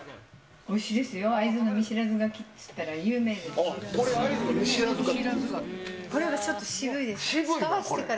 おいしいですよ、会津のみしらず柿っていったら有名ですから。